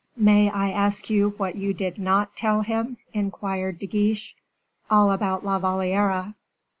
"May I ask you what you did not tell him?" inquired De Guiche. "All about La Valliere."